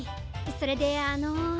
それであの。